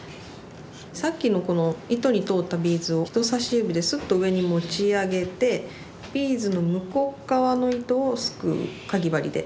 さっきの糸に通ったビーズを人さし指ですっと上に持ち上げてビーズの向こう側の糸をすくうかぎ針で。